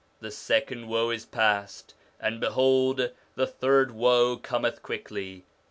The second woe is past ; and behold the third woe cometh quickly.'